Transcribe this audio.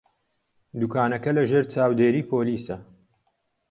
دوکانەکە لەژێر چاودێریی پۆلیسە.